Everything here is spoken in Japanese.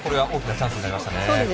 チャンスになりました。